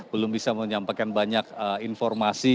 belum bisa menyampaikan banyak informasi